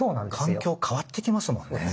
環境変わっていきますもんね。